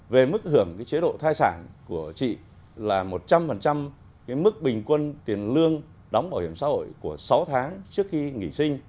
về mức hưởng chế độ thai sản của chị là một trăm linh mức bình quân tiền lương đóng bảo hiểm xã hội của sáu tháng trước khi nghỉ sinh